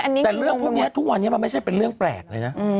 แต่เรื่องพวกนี้ทุกวันนี้มันไม่ใช่เป็นเรื่องแปลกเลยนะ